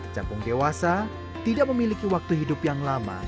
capung dewasa tidak memiliki waktu hidup yang lebih lama